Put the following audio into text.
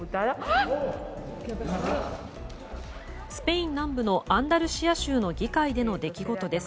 スペイン南部のアンダルシア州の議会での出来事です。